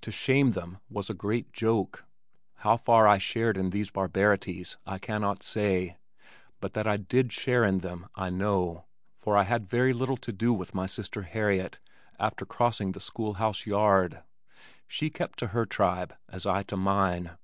To shame them was a great joke. How far I shared in these barbarities I cannot say but that I did share in them I know, for I had very little to do with my sister Harriet after crossing the school house yard. She kept to her tribe as I to mine.